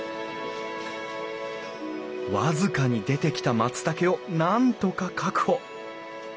僅かに出てきた松たけをなんとか確保。